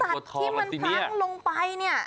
ไอ้เจ้าสัตว์ที่มันพังลงไปเนี่ย